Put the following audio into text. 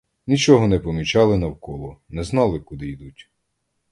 Нічого не помічали навколо, не знали куди йдуть.